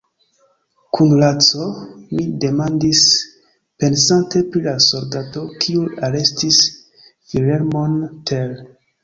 Kun lanco? mi demandis, pensante pri la soldato, kiu arestis Vilhelmon Tell.